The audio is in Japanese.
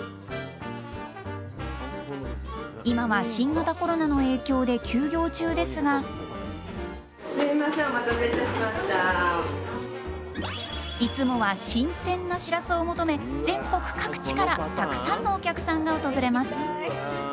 今は新型コロナの影響で休業中ですがいつもは新鮮なしらすを求め全国各地からたくさんのお客さんが訪れます。